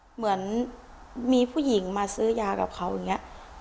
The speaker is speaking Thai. เหมือนมีผู้หญิงมาซื้อยากับเขาอย่างนี้